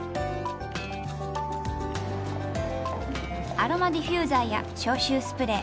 アロマディフューザーや消臭スプレー。